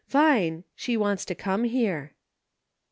Vine, she wants to come here."